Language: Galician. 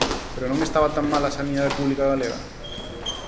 ¿Pero non estaba tan mal a sanidade pública galega?